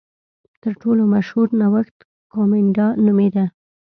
تر ټولو مشهور نوښت کومېنډا نومېده.